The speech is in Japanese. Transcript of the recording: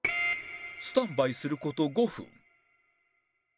スタンバイする事５分